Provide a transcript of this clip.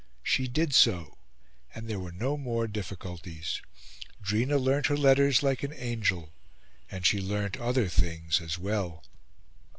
She did so, and there were no more difficulties. Drina learnt her letters like an angel; and she learnt other things as well.